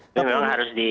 ini memang harus di